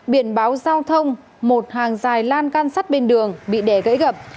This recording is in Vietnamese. biển báo giao thông một hàng dài lan can sắt bên đường bị đẻ gãy gập